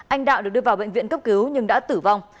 anh đạo được đưa vào bệnh viện cấp cứu nhưng đã tử vong